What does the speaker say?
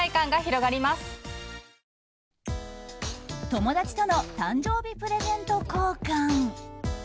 友達との誕生日プレゼント交換。